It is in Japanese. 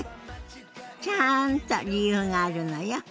ちゃんと理由があるのよ。